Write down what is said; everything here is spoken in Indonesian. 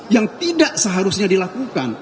yang tidak seharusnya dilakukan